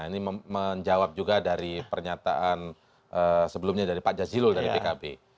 ini menjawab juga dari pernyataan sebelumnya dari pak jazilul dari pkb